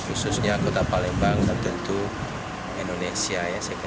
khususnya kota palembang dan tentu indonesia